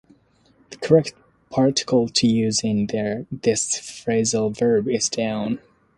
The correct particle to use in this phrasal verb is "down".